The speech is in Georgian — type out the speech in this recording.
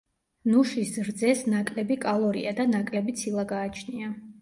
ნუშის რძეს ნაკლები კალორია და ნაკლები ცილა გააჩნია.